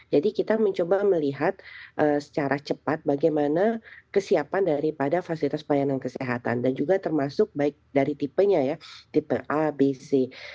jadi kita mencoba melihat secara cepat bagaimana kesiapan daripada fasilitas pelayanan kesehatan dan juga termasuk baik dari tipenya ya tipe a b c